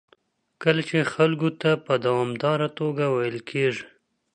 کله چې خلکو ته په دوامداره توګه ویل کېږي